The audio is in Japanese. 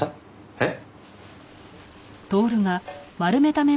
えっ？